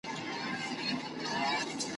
ما يې لاره كړه بدله و بازار ته !.